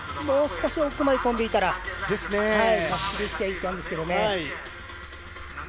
もう少し奥までとんでいたら着地できていたんですけどね。